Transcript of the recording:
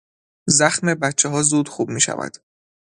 زخم بچهها زود خوب میشود.